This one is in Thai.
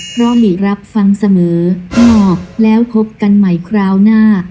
เพราะหลีรับฟังเสมองอกแล้วพบกันใหม่คราวหน้า